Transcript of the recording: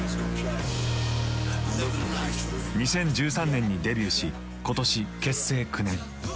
２０１３年にデビューし今年結成９年。